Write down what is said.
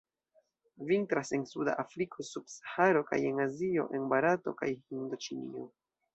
Vintras en suda Afriko sub Saharo, kaj en Azio en Barato kaj Hindoĉinio.